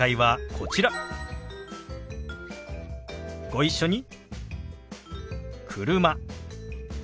ご一緒に。